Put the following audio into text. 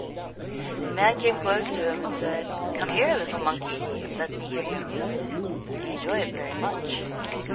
The man came close to him and said, "Come here, little monkey, and let me hear your music. I enjoy it very much."